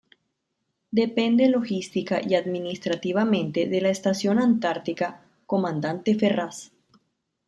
Depende logística y administrativamente de la Estación Antártica Comandante Ferraz.